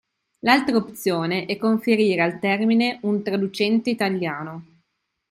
L’altra opzione è conferire al termine un traducente italiano.